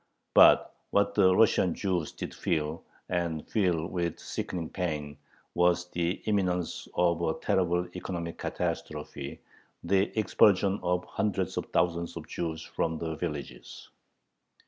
But what the Russian Jews did feel, and feel with sickening pain, was the imminence of a terrible economic catastrophe, the expulsion of hundreds of thousands of Jews from the villages.